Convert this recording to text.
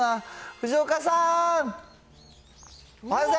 藤岡さん。